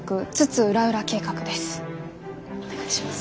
お願いします。